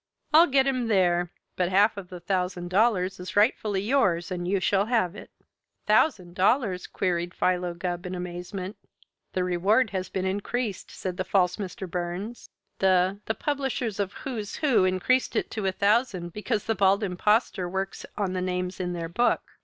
I'll get him there. But half of the thousand dollars is rightfully yours, and you shall have it." "Thousand dollars?" queried Philo Gubb in amazement. "The reward has been increased," said the false Mr. Burns. "The the publishers of 'Who's Who' increased it to a thousand because the Bald Impostor works on the names in their book.